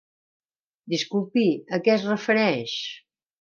Disculpi, a què es refereix?